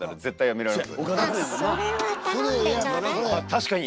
「確かに！